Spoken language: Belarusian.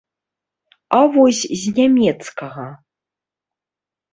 А вось з нямецкага?